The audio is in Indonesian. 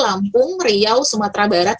lampung riau sumatera barat